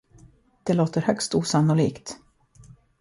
Det låter högst osannolikt!